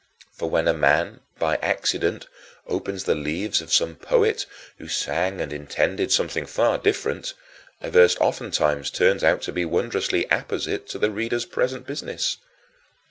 For when a man, by accident, opens the leaves of some poet (who sang and intended something far different) a verse oftentimes turns out to be wondrously apposite to the reader's present business.